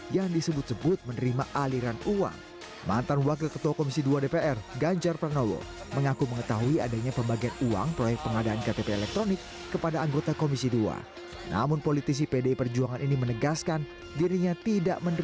yang berbuat tidak hanya dua orang yang sedang terdakwa kan ada yang lain lain kan